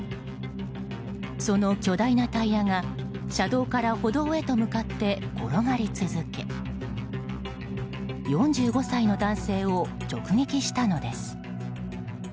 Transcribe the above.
その巨大なタイヤが車道から歩道へと向かって転がり続け４５歳の男性を直撃したのです。